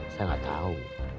saya gak tau